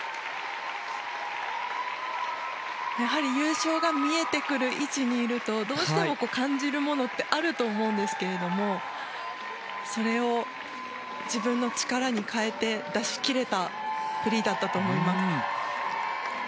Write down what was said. やはり優勝が見えてくる位置にいるとどうしても感じるものってあると思うんですがそれを自分の力に変えて出しきれたフリーだったと思います。